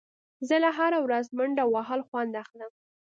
زه له هره ورځ منډه وهل خوند اخلم.